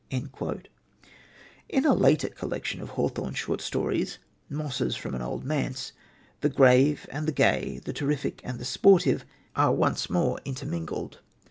In a later collection of Hawthorne's short stories, Mosses from an Old Manse, the grave and the gay, the terrific and the sportive, are once more intermingled.